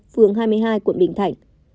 phường hai mươi hai quận bình thạnh